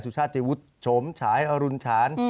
สุชาติชมฉายอรุณฉาน